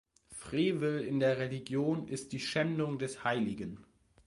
Frevel in der Religion ist die Schändung des Heiligen.